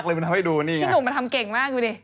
ก็แค่นั้นแหละคุณแม่